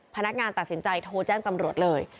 พนักงานตัดสินใจโทรแจ้งตำรวจเลย